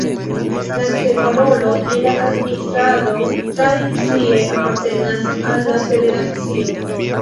La ĉefa rolo en la administrado tradicie apartenas al la federacio.